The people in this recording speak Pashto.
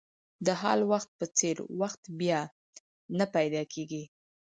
د حال وخت په څېر وخت بیا نه پیدا کېږي.